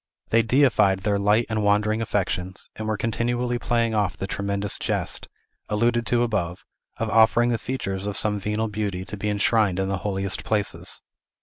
They deified their light and Wandering affections, and were continually playing off the tremendous jest, alluded to above, of offering the features of some venal beauty to be enshrined in the holiest places.